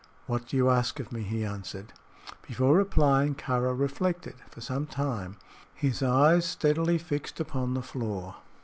"What do you ask of me?" he answered. Before replying, Kāra reflected for some time, his eyes steadily fixed upon the floor.